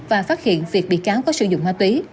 và phát hiện việc bị cáo có sử dụng ma túy